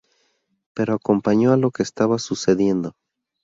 Pero acompañó a lo que estaba sucediendo.